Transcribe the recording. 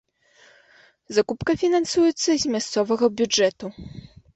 Закупка фінансуецца з мясцовага бюджэту.